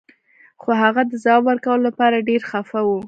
خو هغه د ځواب ورکولو لپاره ډیر خفه و